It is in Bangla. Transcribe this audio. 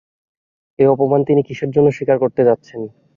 এ অপমান তিনি কিসের জন্যে স্বীকার করতে যাচ্ছেন?